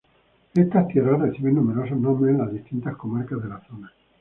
Estas tierras reciben numerosos nombres en las distintas comarcas de la zona.